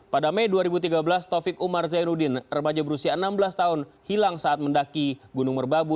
pada mei dua ribu tiga belas taufik umar zainuddin remaja berusia enam belas tahun hilang saat mendaki gunung merbabu